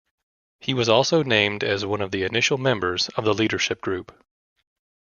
He was also named as one of the initial members of the leadership group.